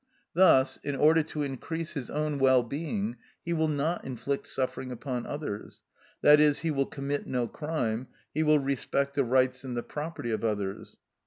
Thus, in order to increase his own well being, he will not inflict suffering upon others, i.e., he will commit no crime, he will respect the rights and the property of others.